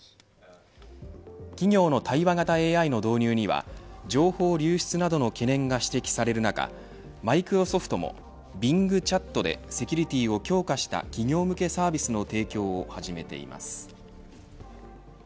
企業の対話型ＡＩの導入には情報流出などの懸念が指摘される中マイクロソフトもＢｉｎｇチャットでセキュリティーを強化した企業向けサービスの提供を始めています。